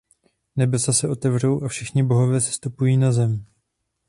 Nebesa se otevřou a všichni bohové sestupují na zem.